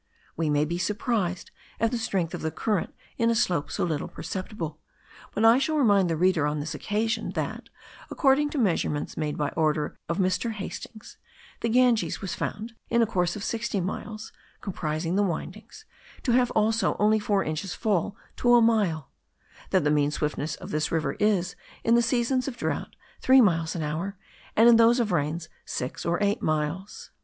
We may be surprised at the strength of the current in a slope so little perceptible; but I shall remind the reader on this occasion, that, according to measurements made by order of Mr. Hastings, the Ganges was found, in a course of sixty miles (comprising the windings,) to have also only four inches fall to a mile; that the mean swiftness of this river is, in the seasons of drought, three miles an hour, and in those of rains six or eight miles.